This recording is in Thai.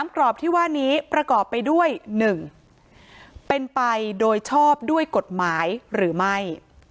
กรอบที่ว่านี้ประกอบไปด้วย๑เป็นไปโดยชอบด้วยกฎหมายหรือไม่